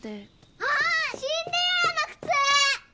あっシンデレラの靴！